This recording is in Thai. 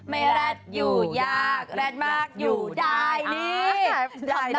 แรดอยู่ยากแรดมากอยู่ได้นี่